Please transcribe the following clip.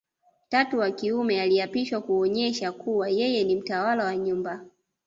Tatu wa kiume aliapishwa kuonesha kuwa yeye ni mtawala wa nyumba